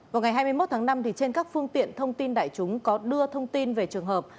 vào ngày hai mươi một tháng năm trên các phương tiện thông tin đại chúng có đưa thông tin về trường hợp